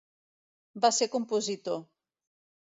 Va ser compositor.